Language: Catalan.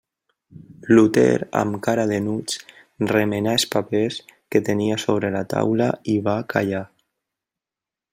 Luter, amb cara d'enuig, remenà els papers que tenia sobre la taula i va callar.